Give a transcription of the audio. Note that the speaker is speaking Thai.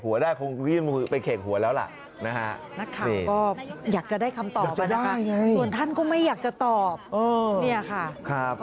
เห็นเบิ๊ทนี่ลูกซิปปากตรงไหนตรงหมั่นเขี้ยว